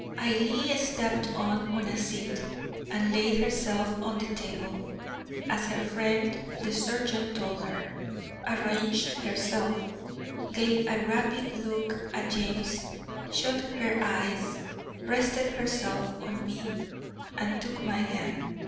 Ailie stepped up on a seat, and laid herself on the table, as her friend the surgeon told her; arranged herself, gave a rapid look at James, shut her eyes, rested herself on me, and took my hand.